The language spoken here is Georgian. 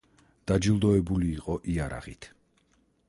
დაჯილდოებული იყო იარაღით.